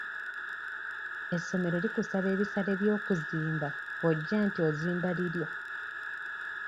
Essomero likusaba ebisale by'okuzimba bw'ojja nti ozimba liryo.